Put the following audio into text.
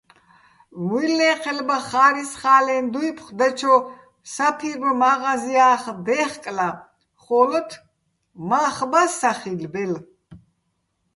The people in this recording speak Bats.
მუჲლნე́ჴელბა ხა́რისხა́ლეჼ დუ́ფხო̆ დაჩო საფირმო̆ მა́ღაზია́ხ დე́ხკლა, ხო́ლოთ მახ ბა სახილბელ.